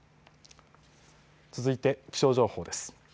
続いて気象情報です。